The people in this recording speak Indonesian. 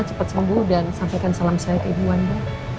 cepat sembuh dan sampaikan salam sayang ke ibu anda